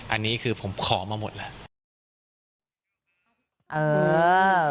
อันนี้คือผมขอมาหมดแล้ว